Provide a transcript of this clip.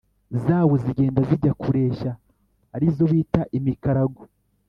zawo zigenda zijya kureshya ari zo bita”imikarago”.